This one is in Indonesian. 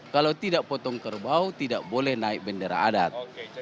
kalau tidak potong kerbau tidak boleh naik bendera adat